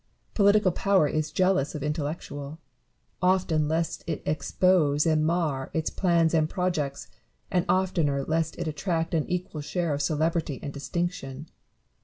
Political power is jealous of in tellectual ; often lest it expose and mar its plans and projects, and oftener lest it attract an equal share of celebrity and distinction.